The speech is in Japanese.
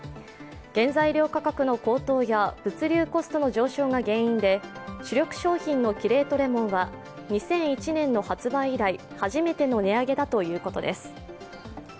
原材料価格の高騰や物流コストの上昇が原因で主力商品のキレートレモンは２００１年の発売以来初めての値上げだということです。